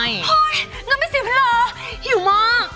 เฮ้ยนั่นไม่สิพี่เหรอหิวมาก